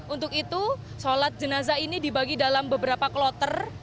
untuk itu sholat jenazah ini dibagi dalam beberapa kloter